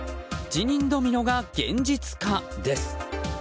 辞任ドミノが現実化です。